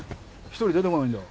１人出てこないんだ。